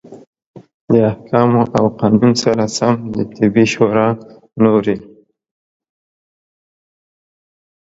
د احکامو او قانون سره سم د طبي شورا نورې